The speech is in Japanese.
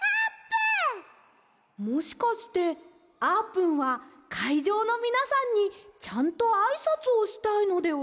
もしかしてあーぷんはかいじょうのみなさんにちゃんとあいさつをしたいのでは？